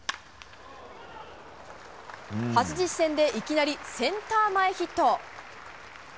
初実戦でいきなりセンター前ヒット。